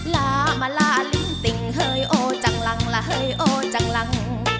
ลามาลาลินติ่งเฮยโอจังลังลาเฮยโอจังหลัง